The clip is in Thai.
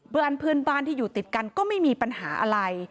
เพื่อนบ้านที่อยู่ติดกันก็ไม่มีปัญหาอะไร